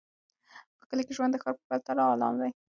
په کلي کې ژوند د ښار په پرتله ارام دی.